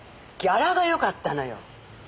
ギャラがよかったのよ！